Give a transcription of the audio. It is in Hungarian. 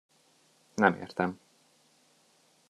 Nem értem.